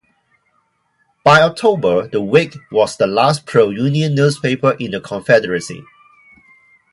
By October, the "Whig" was the last pro-Union newspaper in the Confederacy.